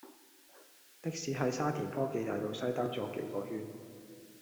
的士喺沙田科技大道西兜左幾個圈